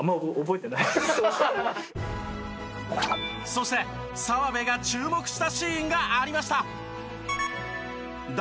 そして澤部が注目したシーンがありました。